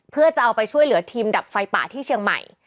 เพื่อจะเอาไปช่วยเหลือทีมดับไฟป่าที่เชียงใหม่